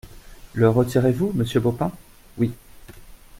Le retirez-vous, monsieur Baupin ? Oui.